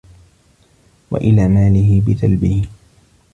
وَإِلَى مَالِهِ بِثَلْبِهِ